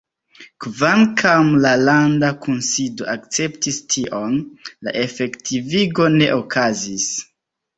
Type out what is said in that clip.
Kvankam la landa kunsido akceptis tion, la efektivigo ne okazis.